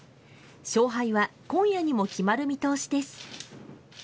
勝敗は今夜にも決まる見通しです。